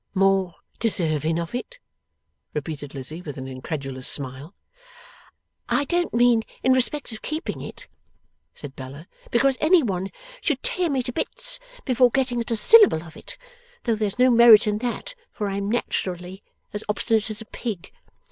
'More deserving of it?' repeated Lizzie, with an incredulous smile. 'I don't mean in respect of keeping it,' said Bella, 'because any one should tear me to bits before getting at a syllable of it though there's no merit in that, for I am naturally as obstinate as a Pig.